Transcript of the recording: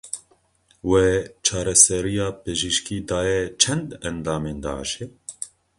We çareseriya pizîşkî daye çend endamên Daişê?